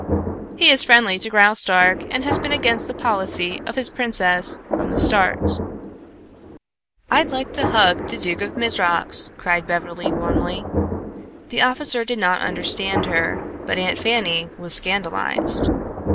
He is friendly to Graustark and has been against the policy of his princess from the start." "I'd like to hug the Duke of Mizrox," cried Beverly, warmly. The officer did not understand her, but Aunt Fanny was scandalized.